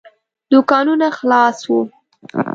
دوکانونه خلاص وو.